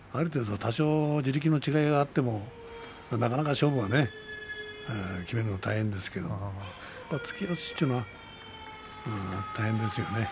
地力の違いがある程度あってもなかなか勝負は決めるのは大変ですけども突き押しというのは大変ですよね。